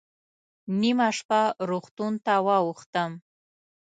نیمه شپه روغتون ته واوښتم.